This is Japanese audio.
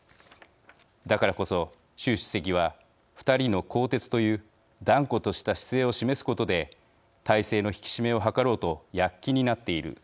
だからこそ、習主席は２人の更迭という断固とした姿勢を示すことで体制の引き締めを図ろうと躍起になっている。